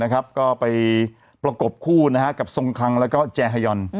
ก็ไปประกบคู่กับส่งครังแล้วก็เจน